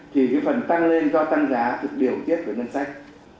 thì cái phần tăng lên do tăng giá được điều tiết với nâng sách